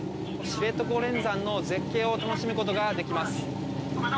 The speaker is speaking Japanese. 知床連山の絶景を楽しむことができます。